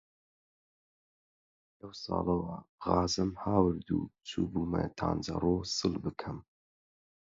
لەو ساڵەوە خازەم هاورد و چووبوومە تانجەرۆ سڵ بکەم،